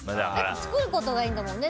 作ることがいいんだよね。